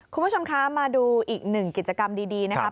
คุณผู้ชมคะมาดูอีกหนึ่งกิจกรรมดีนะครับ